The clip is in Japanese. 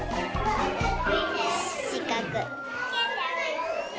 しかく。